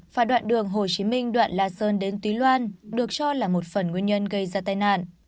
và đoạn đường hồ chí minh đoạn la sơn đến túy loan được cho là một phần nguyên nhân gây ra tai nạn